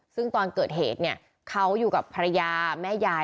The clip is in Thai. ซึ่งตอนเกิดเหตุเนี่ยเขาอยู่กับภรรยาแม่ยาย